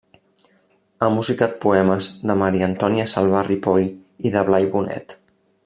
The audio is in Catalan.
Ha musicat poemes de Maria Antònia Salvà Ripoll i de Blai Bonet.